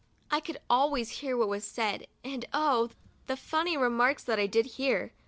I could always hear what was said, and, oh ! the funny remarks that I did hear